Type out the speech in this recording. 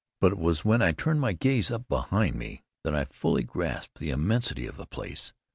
But it was when I turned to gaze up behind me that I fully grasped the immensity of the place.